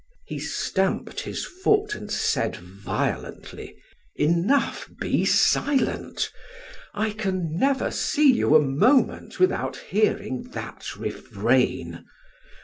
He stamped his foot and said violently: "Enough, be silent! I can never see you a moment without hearing that refrain.